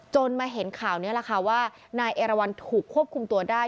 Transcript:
มาเห็นข่าวนี้แหละค่ะว่านายเอราวันถูกควบคุมตัวได้